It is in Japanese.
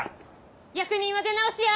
役人は出直しや！